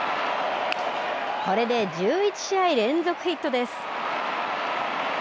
これで１１試合連続ヒットです。